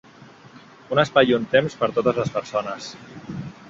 Un espai i un temps per a totes les persones.